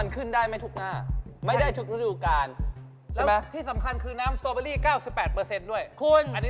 เดิมมาสำหรับแเรียกก็ได้